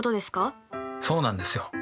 そうなんですよ。